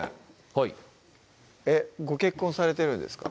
はいご結婚されてるんですか？